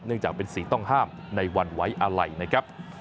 เนื่องจากเป็นสิ่งต้องห้ามในวันไว้อะไหล่นะครับ